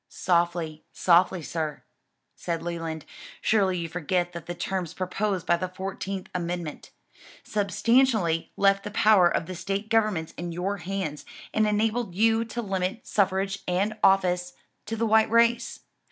"Softly, softly, sir," said Leland, "surely you forget that the terms proposed by the fourteenth amendment, substantially left the power of the State governments in your hands, and enabled you to limit suffrage and office to the white race.